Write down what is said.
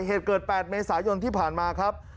เหตุเกิด๘เมษายนที่ผ่านมาครับ